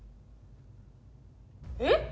えっ！